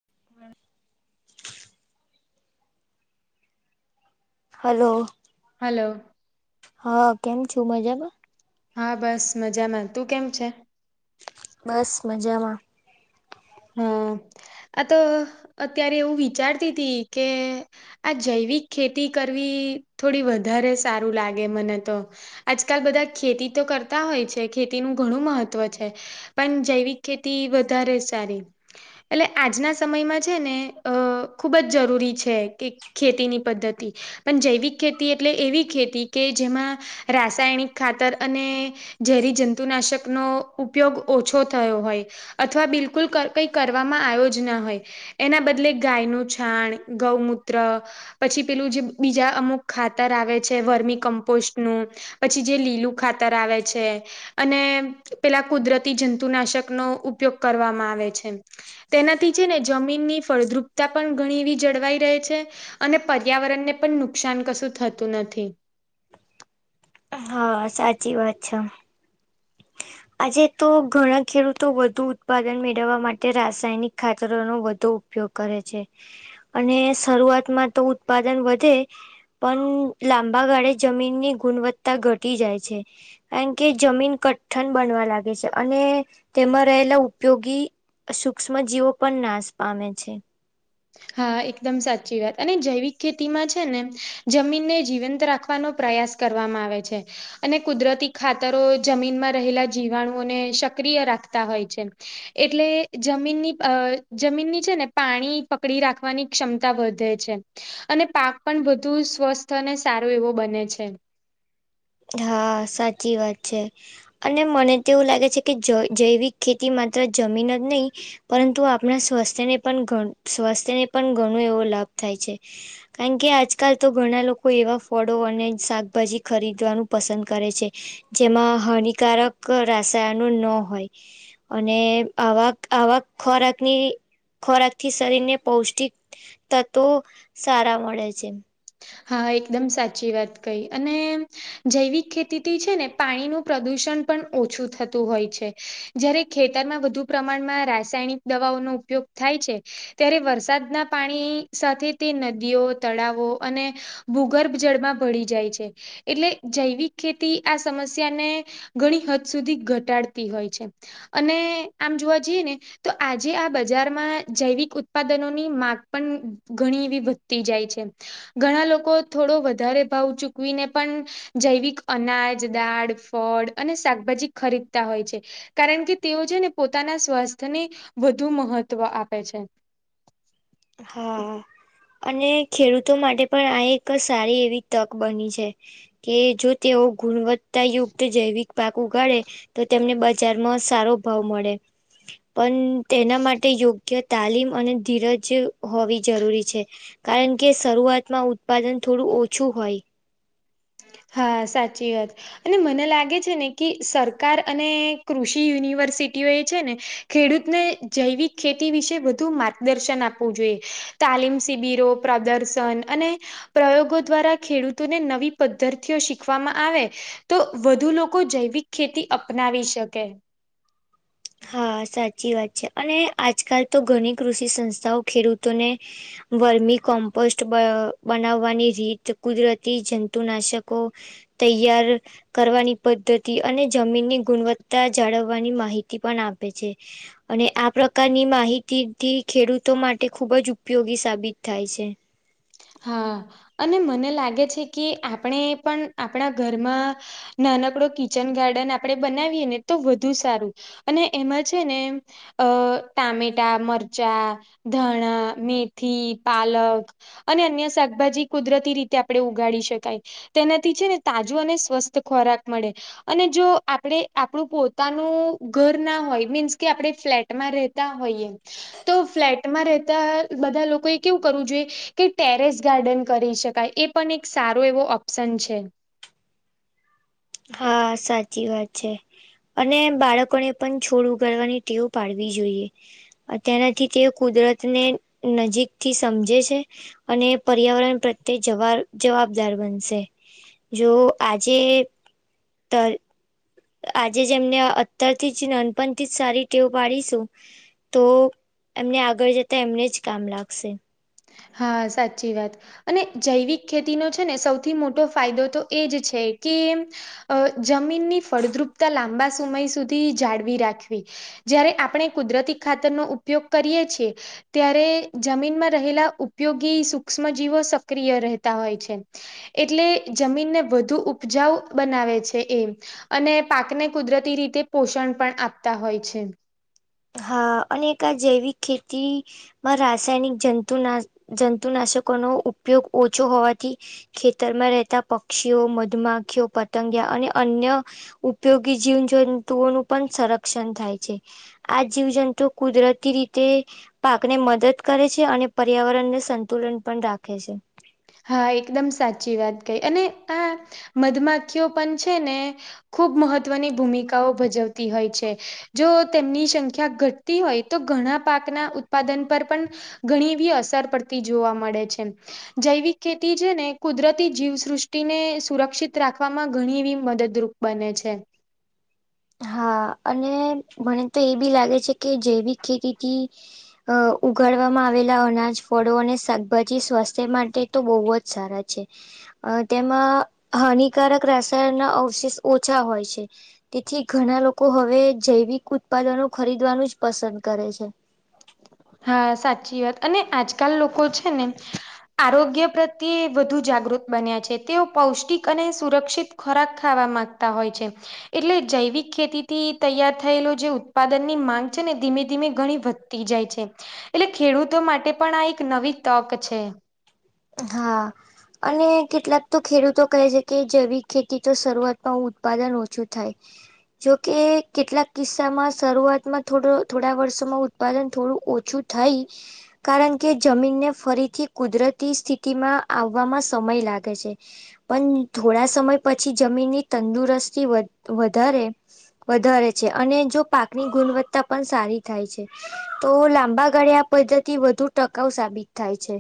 [inaudible] Hello! Hello! હ અ કેમ છો મજામાં? હા, બસ મજામાં. તું કેમ છે? બસ મજામાં. હા. આ તો અત્યારે એવું વિચારતી તી કે આ જૈવિક ખેતી કરવી થોડી વધારે સારું લાગે મને તો આજકાલ બધા ખેતી તો કરતા હોય છે ખેતીનું ઘણું મહત્વ છે પણ જૈવિક ખેતી વધારે સારી. એટલે આજના સમયમાં છે ને અ ખૂબ જ જરૂરી છે કે ખેતીની પદ્ધતિ પણ જૈવિક ખેતી એટલે એવી ખેતી કે જેમાં રાસાયણિક ખાતર અને જેરી જંતુનાશકનો ઉપયોગ ઓછો થયો હોય અથવા બિલકુલ કં ઈક કરવામાં આવ્યો જ ન હોય એના બદલે ગાયનું છાણ, ગૌમૂત્ર પછી પેલું જે બીજા અમુક ખાતર આવે છે વર્મી કમ્પોસ્ટનું પછી જે લીલું ખાતર આવે છે અને પેલા કુદરતી જંતુનાશકનો ઉપયોગ કરવામાં આવે છે એમ તેનાથી છે ને જમીનની ફળદ્રુપતા પણ ઘણી એવી જળવાઈ રહે છે અને પર્યાવરણને પણ નુકસાન કશું થતું નથી. હા, સાચી વાત છે. [inaudible] આજે તો ઘણા ખેડૂતો વધુ ઉત્પાદન મેળવવા માટે રાસાયણિક ખાતરોનો વધુ ઉપયોગ કરે છે અને શરૂઆતમાં તો ઉત્પાદન વધે પણ લાંબાગાળે જમીનની ગુણવત્તા ઘટી જાય છે. કારણ કે જમીન કઠઠન બનવા લાગે છે અને તેમાં રહેલા ઉપયોગી સૂક્ષ્મજીવો પણ નાશ પામે છે. હા, એકદમ સાચી વાત અને જૈવિક ખેતીમાં છે ને જમીનને જીવંત રાખવાનો પ્રયાસ કરવામાં આવે છે. અને કુદરતી ખાતરો જમીનમાં રહેલા જીવાણુઓને સક્રિય રાખતા હોય છે. એટલે જમીનની અહ જમીનની છે ને પાણી પકડી રાખવાની ક્ષમતા વધે છે. અને પાક પણ વધુ સ્વસ્થ અને સારો એવો બને છે. હા સાચી વાત છે. અને મને તો એવું લાગે છે કે જ જૈવિક ખેતી માત્ર જમીન જ નહીં પરંતુ આપના સ્વાસ્થ્યને પણ સ્વાસ્થ્યને પણ ઘણો એવો લાભ થાય છે. કારણ કે આજકાલ તો ઘણા લોકો એવા ફળો અને શાકભાજી ખરીદ વાનું પસંદ કરે છે જેમાં હાનિકારક રસાયણો નો હોય. અને આવાક આવાક ખોરાકની ખોરાકથી શરીરને પૌષ્ટિક તત્વો સારા મળે છે. હા એકદમ સાચી વાત કઈ અને જૈવિક ખેતીથી છે ને પાણીનું પ્રદુષણ પણ ઓછું થતું હોય છે. જયારે ખેતરમાં વધુ પ્રમાણમાં રાસાયણિક દવાઓનો ઉપયોગ થાય છે ત્યારે વરસાદના પાણી સાથે તે નદીઓ તળાવો અને ભૂગર્ભ જળમાં ભળી જાય છે. એટલે જૈવિક ખેતી આ સમસ્યાને ઘણી હદ સુધી ઘટાડતી હોય છે. અને આમ જોવા જઈએ ને તો આજે આ બજારમાં જૈવિક ઉત્પાદનોની માંગ પણ ઘણી એવી વધ તી જાય છે ઘણા લોકો થોડો વધારે ભાવ ચૂકવીને પણ જૈવિક અનાજ દાળ ફળ અને શાકભાજી ખરીદતા હોય છે. કારણ કે તેઓ છે ને પોતાના સ્વાસ્થ્યને વધુ મહત્વ આપે છે. હા. અને ખેડૂતો માટે પણ આ એક સારી એવી તક બની છે. કે જો તેઓ ગુણવત્તાયુક્ત જૈવિક પાક ઉગાડે તો તેમને બજારમાં સારો ભાવ મળે પણ તેના માટે યોગ્ય તાલીમ અને ધીરજ જે હોવી જરૂરી છે કારણ કે શરૂઆતમાં ઉત્પાદન થોડું ઓછું હોય. હા સાચી વાત. અને મને લાગે છે ને કે સરકાર અને કૃષિ યુનિવર્સિટીઓ એ છે ને ખેડૂતને જૈવિક ખેતી વિશે વધુ માર્ગદર્શન આપવું જોઈએ. તાલીમ શિબિરો પ્રદર્શન અને પ્રયોગો દ્વારા ખેડૂતોને નવી પદ્ધારતિઓ શીખવામાં આવે તો વધુ લોકો જૈવિક ખેતી અપનાવી શકે. હા સાચી વાત છે અને આજકાલ તો ઘણી કૃષિ સંસ્થાઓ ખેડૂતોને વર્મી કોમ્પોસ્ટ બ અહ બનાવવાની રીત કુદરતી જંતુનાશકો તૈયાર કરવાની પદ્ધતિ અને જમીનની ગુણવત્તા જાળવવાની માહિ તી પણ આપે છે. અને આ પ્રકારની માહિતીથી ખેડૂતો માટે ખુબ જ ઉપયોગી સાબિત થાય છે. હા અને મને લાગે છે કે આપણે પણ આપણા ઘરમાં નાનકડુ કિચન ગાર્ડન આપડે બનાવીએ ને તો વધુ સારું. અને એમાં છે ને અહ ટામેટા, મરચાં ધાણા, મેથી, પાલક અને અન્ય શાકભાજી કુદરતી રીતે આપડે ઉગાડી શકાય. તેનાથી છે ને તાજો અને સ્વસ્થ ખોરાક મળે. અને જો આપણે આપણું પોતાનું ઘર ના હોય મીન્સ કે આપણે ફ્લેટ માં રહેતા હોઈએ તો ફ્લેટમાં રહેતા બધા લોકોએ કેવું કરવું જોઈએ કે ટેરેસ ગાર્ડન કરી શકાય એ પણ એક સારો એવો ઓપ્શન છે. હા સાચી વાત છે. અને બાળકોને પણ છોડ ઉગાડવાની ટેવ પાડવી જોઈએ. અત્યારે થી તે કુદરતને નજીકથી સમજે છે. અને પર્યાવરણ પ્રત્યે જવાર જવાબદાર બનશે. જો આજે તર આજે જેમને અત્યાર થી જ નાનપણ થી જ સારી ટેવ પાડીશું તો એમને આગળ જતા એમને જ કામ લાગશે. હા સાચી વાત અને જૈવિક ખેતીનો છે ને સૌથી મોટો ફાયદો તો એજ છે કે અહ જમીનની ફળદ્રુપતા લાંબા સમય સુધી જાળવી રાખવી જયારે આપણે કુદરતી ખાતરનો ઉપયોગ કરીએ છીએ ત્યારે જમીનમાં રહેલા ઉપયોગી સૂક્ષ્મજીવો સક્રિય રહેતા હોય છે. એટલે જમીનને વધુ ઉપજાવ બનાવે છે એમ. અને પાકને કુદરતી રીતે પોષણ પણ આપતા હોય છે. હા અને એક આ જૈવિક ખેતી માં રાસાયણિક જંતુના જંતુનાશકો નો ઉપયોગ ઓછો હોવાથી ખેતરમાં રહેતા પક્ષીઓ મધુમાખીઓ પતંગિયા અને અન્ય ઉપયોગી જીવજંતુઓનું પણ સંરક્ષણ થાય છે. આ જીવજંતુ કુદરતી રીતે પાકને મદદ કરે છે અને પર્યાવરણને સંતુલન પણ રાખે છે. હા એકદમ સાચી વાત કઈ અને આ મધમાખીઓ પણ છે ને ખૂબ મહત્વની ભૂમિકાઓ ભજવતી હોય છે. જો તેમની સંખ્યા ઘટતી હોય તો ઘણા પાકના ઉત્પાદન પર પણ ઘણી એવી અસર પડતી જોવા મળે છે એમ. જૈવિક ખેતી છે ને કુદરતી જીવસૃષ્ટિને સુરક્ષિત રાખવામાં ઘણી એવી મદદરૂપ બને છે. હા અને મને તો એ બી લાગે છે કે જૈવિક ખેતીથી અહ ઉગાડવામાં આવેલા અનાજ ફળો અને શાકભાજી સ્વાસ્થ્ય માટે તો બહુ જ સારા છે. અહ તેમાં હાનિકારક રાસાયણ અવશેષ ઓછા હોય છે. તેથી ઘણા લોકો હવે જૈવિક ઉત્પાદનો ખરીદવાનું જ પસંદ કરે છે. હા સાચી વાત અને આજકાલ લોકો છે ને આરોગ્ય પ્રતી વધુ જાગૃત બન્યા છે તેઓ પૌષ્ટિક અને સુરક્ષિત ખોરાક ખાવા માંગતા હોય છે. એટલે જૈવિક ખેતીથી તૈયાર થયેલો જે ઉત્પાદન ની માંગ છે ને ધીમે ધીમે ઘણી વધ તી જાય છે એટલે ખેડૂતો માટે પણ આ એક નવી તક છે. હા અને કેટલાક તો ખેડૂતો કહે છે કે જૈવિક ખેતી તો શરૂઆતમાં ઉત્પાદન ઓછું થાય. જોકે કેટલાક કિસ્સામાં શરૂઆતમાં થોડ થોડા વર્ષોમાં ઉત ઉત્પાદન થોડું ઓછું થાઈ કારણ કે જમીનને ફરીથી કુદરતી સ્થિ તી માં આવવામાં સમય લાગે છે. પન, થોડા સમય પછી જમીનની તંદુરસ્તી વધ, વધારે વધારે છે, અને જો પાકની ગુનવત્તા પન સારી થાય છે. તો લાંબા ગાળે આ પદ્ધતિ વધુ ટકાઉ સાબિત થાય છે.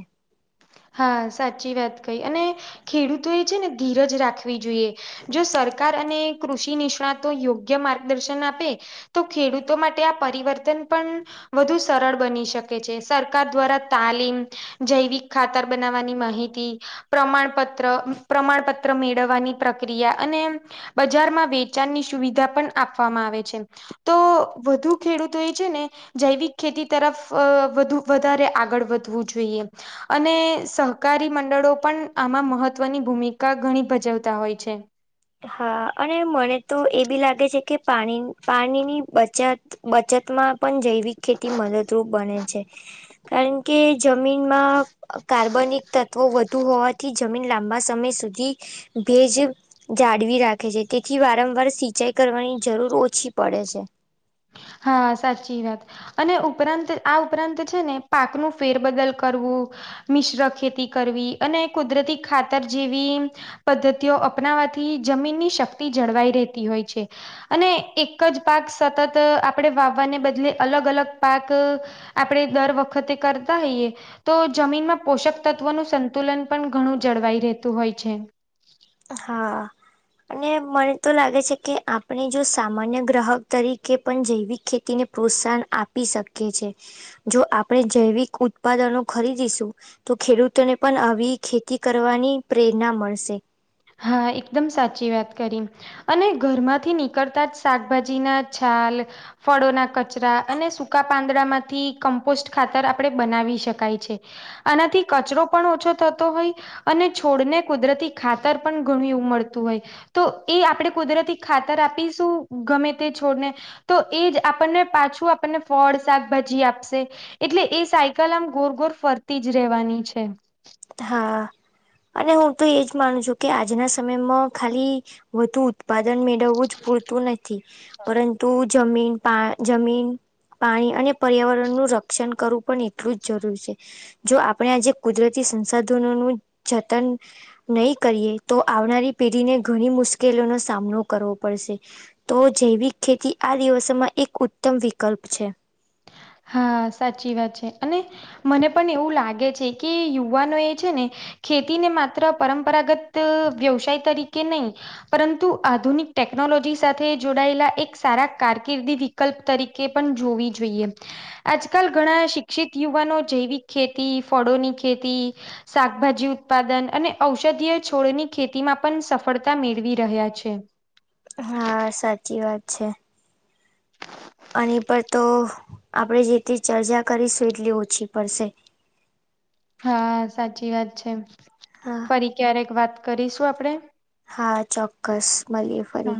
હા સાચી વાત કઈ, અને ખેડૂતો એ છે ને ધીરજ રાખવી જોઈએ. જો સરકાર અને કૃષિ નિષ્ણાતો યોગ્ય માર્ગદર્શન આપે તો ખેડૂતો માટે આ પરિવર્તન પન વધુ સરળ બની શકે છે. સરકાર દ્વારા તાલીમ, [unintelligible] ખાતર બનાવવાની માહિતી પ્રમાણપત્ર, પ્રમાણપત્ર મેળવવાની પ્રક્રિયા અને બજારમાં વેચાણની સુવિધા પણ આપવામાં આવે છે. તો વધુ ખેડૂતો એ છે ને જૈવિક ખેતી તરફ, વધુ વધારે આગળ વધવું જોઈએ. અને, સહકારી મંડળો પણ આમાં મહત્વની ભૂમિકા ઘણી ભજવતા હોય છે. હા, અને મને તો એ બી લાગે છે કે પાણી, પાણીની બચાત, બચત માં પણ જૈવિક ખેતી મદદરૂપ બને છે, કારણ કે જમીનમાં, કાર્બનિક તત્વો વધુ હોવાથી જમીન [unintelligible] [unintelligible] સમય સુધી ભેજ જાડવી રાખે છે, તેથી વારંવાર સિંચાઈ કરવાની જરૂર ઓછી પડે છે. હા, સાચી વાત. અને ઉપરાંત, આ ઉપરાંત છે ને પાક નો ફેરબદલ કરવુ મિશ્ર ખેતી કરવી, અને કુદરતી ખાતર જેવી પદ્ધતિઓ અપનાવાથી જમીનની શક્તિઓ જળવાઈ રહેતી હોય છે. અને, એક જ પાક સતત [unintelligible] આપડે વાવવાને બદલે અલગ અલગ પાક, આપણડે દર વખતે કરતા હોઈએ તો જમીનમાં પોષક તત્વોનું સંતુલન પણ ઘણું જળવાઈ રહેતું હોય છે. હા. અને, મને તો લાગે છે કે આપણે જો સામાન્ય ગ્રાહક તરીકે પણ જૈવિક ખેતીને પ્રોત્સાહન આપી શકીએ છે, જો આપણે જૈવિક ઉત્પાદનો ખરીદીશું તો ખેડૂતોને પન આવી ખેતી કરવાની પ્રેરના મળશે. હા, એકદમ સાચી વાત કરી. અને ઘરમાંથી નીકળતા જ શાકભાજી ના છાલ ફળોના કચરા અને સૂકા પાંદડામાંથી કમ્પોસ્ટ ખાતર આપણડે બનાવી શકાય છે. આનાથી કચરો પણ ઓછો થતો હોય, અને છોડને કુદરતી ખાત [unintelligible] પણ ઘણું એવું મળતું હોય તો એ આપડે કુદરતી ખાતર આપીશું, ગમે તે છોડને તો એ જ આપણને, પાછું આપણને ફળ શાકભાજી આપશે એટલે એ સાયકલ આમ ગોર ગોર ફરતી જ રહેવાની છે. હા. અને હું તો એજ માનું છું કે આજના સમયમાં ખાલી, વધુ [unintelligible] મેડવવું જ પૂરતું નથી, પરંતુ જમીન પા જમીન પાણી અને પર્યાવરણનું રક્ષણ કરવું પણ એટલું જ જરૂર છે. જો આપણે આજે કુદરતી સંસાધનોનું જતન નહી કરીએ, તો આવનારી પેઢીને ઘણી મુશ્કેલીઓનો સામનો કરવો પડશે. તો જૈવિક ખેતી આ દિવસોમાં એક ઉત્તમ વિકલ્પ છે. હા, સાચી વાત છે અને મને પણ એવું લાગે છે કે, યુવાનો એ છે ને ખેતીને માત્ર પરંપરાગત વ્યવસાય તરીકે નહીં પરંતુ આધુનિક ટેકનોલોજી સાથે જોડાયેલા એક સારા કારકિર્દી વિ કલ્પ તરીકે પણ જોવી જોઈએ. આજકાલ ઘણા શિક્ષિત યુવાનો જૈવિક ખેતી, ફળોની ખેતી શાકભાજી ઉત્પાદન, અને ઔષધીય છોડની ખેતીમાં પણ સફળતા મેળવી રહ્યા છે. હા સાચી વાત છે. આની પર તો, આપણેે જેટલી ચર્ચા કરીશું એટલી ઓછી પડશે. હા સાચી વાત છે. હા ફરી ક્યારેક વાત કરીશું આપણે. હા ચોક્કસ મલીએ હા. ફરી.